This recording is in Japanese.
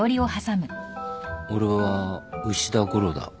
俺は牛田悟郎だ。